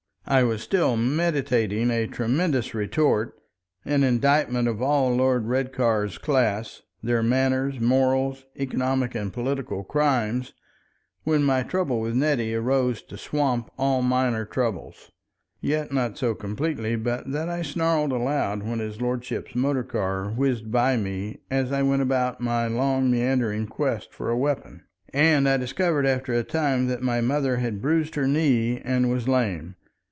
I was still meditating a tremendous retort, an indictment of all Lord Redcar's class, their manners, morals, economic and political crimes, when my trouble with Nettie arose to swamp all minor troubles. Yet, not so completely but that I snarled aloud when his lordship's motor car whizzed by me, as I went about upon my long meandering quest for a weapon. And I discovered after a time that my mother had bruised her knee and was lame.